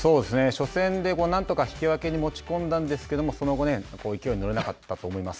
初戦で何とか引き分けに持ち込んだんですけどもその後、勢いに乗れなかったと思います。